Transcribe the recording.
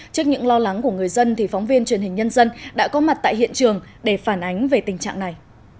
trước những lo lắng của người dân thì phóng viên truyền hình nhân dân đã có mặt tại hiện trường để phản ánh về tình trạng này